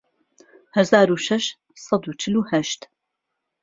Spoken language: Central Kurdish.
هەزار و شەش سەد و چل و هەشت